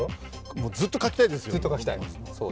もうずっと描きたいですよ。